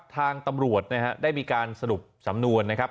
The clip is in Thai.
ทางตำรวจนะฮะได้มีการสรุปสำนวนนะครับ